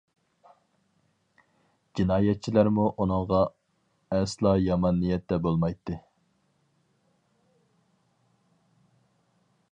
جىنايەتچىلەرمۇ ئۇنىڭغا ئەسلا يامان نىيەتتە بولمايتتى.